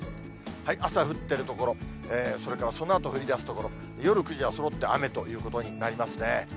朝降っている所、それからそのあと降りだす所、夜９時はそろって雨ということになりますね。